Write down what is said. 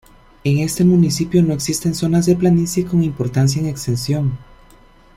En este municipio no existen zonas de planicie con importancia en extensión.